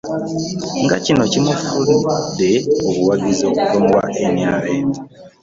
Nga kino kimufunidde obuwagizi okuva mu ba NRM.